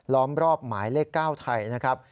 ล้อมรอบหมายเลข๙ไทยนะครับ